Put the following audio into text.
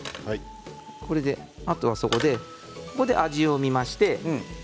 あとは、そこで味を見まして。